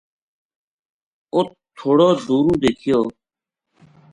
اُت تھوڑو دُوروں دیکھیو